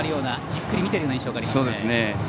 じっくり見ている印象があります。